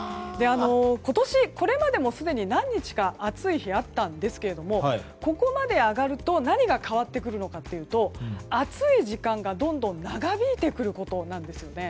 今年、これまでもすでに何日か暑い日があったんですがここまで上がると何が変わってくるのかというと暑い時間がどんどん長引いてくることなんですね。